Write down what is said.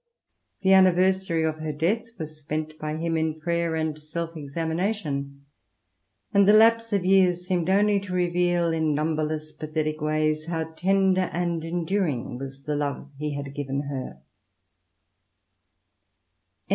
The anniversary of her death was spent by him in prayer and self examination ; and the lapse of years seemed only to reveal in numberless pathetic ways how tender and enduring was the love he had given her.